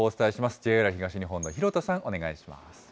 ＪＲ東日本の弘田さん、お願いします。